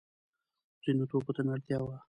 ځینو توکو ته مې اړتیا وه.